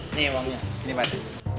ini emangnya ini mas